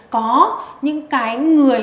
có những người